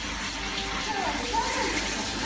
きょうはぶとうかいですわね。